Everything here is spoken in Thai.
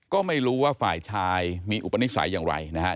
ก็ไม่รู้ว่าฝ่ายชายมีอุปนิสัยอย่างไรนะฮะ